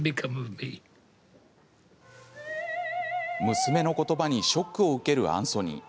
娘のことばにショックを受けるアンソニー。